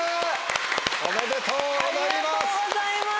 おめでとうございます！